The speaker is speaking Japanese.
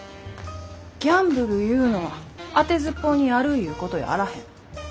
ギャンブルいうのはあてずっぽうにやるいうことやあらへん。